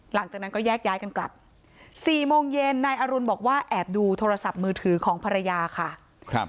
หลังจากนั้นก็แยกย้ายกันกลับ๔โมงเย็นนายอรุณบอกว่าแอบดูโทรศัพท์มือถือของภรรยาค่ะ